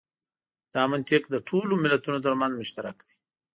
دا منطق د ټولو ملتونو تر منځ مشترک دی.